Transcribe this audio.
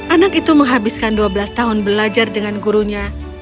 anak itu menghabiskan dua belas tahun belajar dengan gurunya